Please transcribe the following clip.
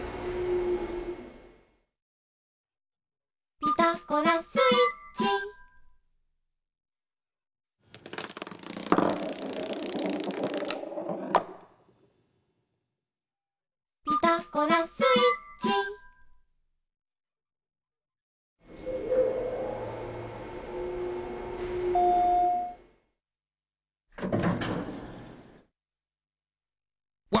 「ピタゴラスイッチ」「ピタゴラスイッチ」ポン。